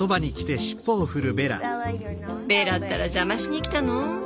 ベラったら邪魔しにきたの？